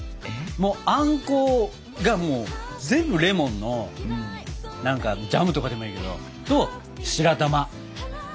もうあんこがもう全部レモンの何かジャムとかでもいいけどと白玉。